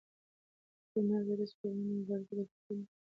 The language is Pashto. د کرونا وېروس پر وړاندې مبارزه د هر انسان ملي او اخلاقي مسؤلیت دی.